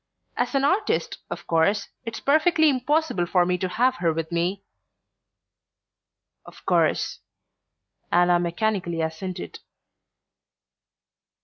As an artist, of course, it's perfectly impossible for me to have her with me..." "Of course," Anna mechanically assented.